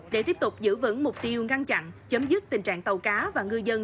để tiếp tục giữ vững mục tiêu ngăn chặn chấm dứt tình trạng tàu cá và ngư dân